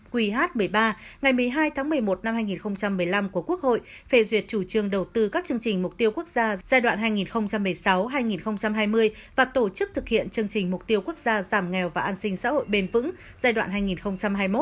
qh một mươi ba ngày một mươi hai tháng một mươi một năm hai nghìn một mươi năm của quốc hội phê duyệt chủ trương đầu tư các chương trình mục tiêu quốc gia giai đoạn hai nghìn một mươi sáu hai nghìn hai mươi và tổ chức thực hiện chương trình mục tiêu quốc gia giảm nghèo và an sinh xã hội bền vững giai đoạn hai nghìn hai mươi một hai nghìn hai mươi năm